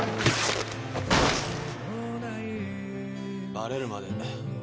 バレるまで。